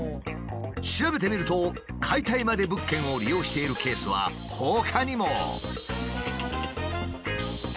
調べてみると解体まで物件を利用しているケースはほかにも。